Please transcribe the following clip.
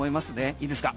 いいですか。